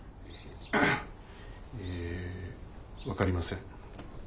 ええ分かりません。